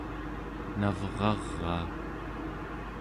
navraraa